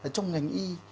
vì là trong ngành y học